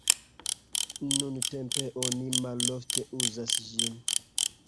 Nuntempe oni malofte uzas ĝin.